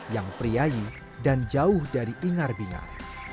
yang priayi dan jauh dari ingar bingar